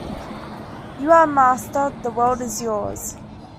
You are Master, the world is yours.